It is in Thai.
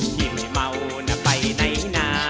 ที่ไม่เมานะไปไหนนะ